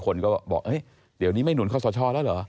คนก็บอกเฮ้ยเดี๋ยวนี้ไม่หนุนคศแล้วเหรอ